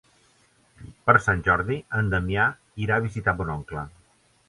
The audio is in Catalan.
Per Sant Jordi en Damià irà a visitar mon oncle.